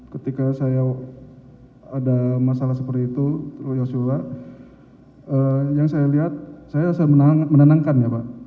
ketika saya ada masalah seperti itu yosua yang saya lihat saya menenangkan ya pak